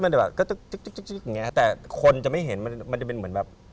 มันจะแบบก็ตุ๊กอย่างนี้แต่คนจะไม่เห็นมันจะเป็นเหมือนแบบ